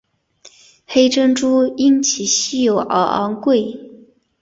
黑珍珠因其稀有而昂贵。